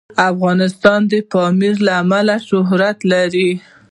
افغانستان د پامیر له امله شهرت لري.